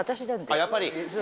やっぱり。